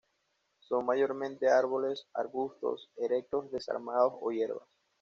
Son mayormente árboles, arbustos erectos desarmados o hierbas.